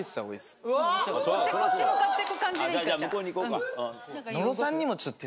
こっち向かってく感じでいいかしら？